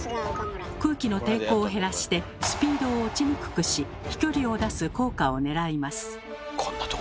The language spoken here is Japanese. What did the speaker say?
空気の抵抗を減らしてスピードを落ちにくくし飛距離を出す効果をねらいます。